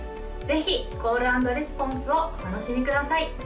ぜひコールアンドレスポンスをお楽しみください